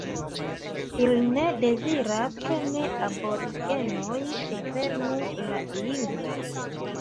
Ili ne deziras ke ne-aborigenoj eklernu la lingvon